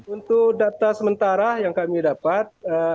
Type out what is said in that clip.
untuk data sementara yang kami dapat